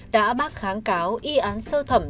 đã bác kháng cáo y án sơ thẩm